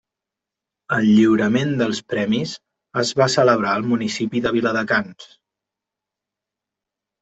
El lliurament dels premis es va celebrar al municipi de Viladecans.